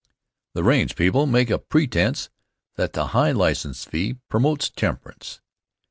The Raines people make a pretense that the high license fee promotes temperance.